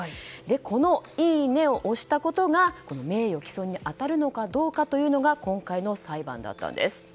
このいいねを押したことが名誉棄損に当たるのかどうかというのが今回の裁判だったんです。